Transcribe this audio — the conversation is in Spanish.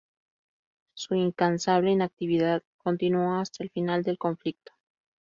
Su incansable actividad continuó hasta el final del conflicto.